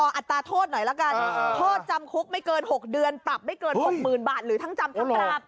อัตราโทษหน่อยละกันโทษจำคุกไม่เกิน๖เดือนปรับไม่เกิน๖๐๐๐บาทหรือทั้งจำทั้งปรับ